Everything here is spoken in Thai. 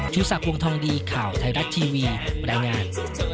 สักวงทองดีข่าวไทยรัฐทีวีบรรยายงาน